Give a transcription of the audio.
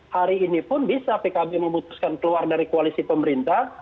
hari ini pun bisa pkb memutuskan keluar dari koalisi pemerintah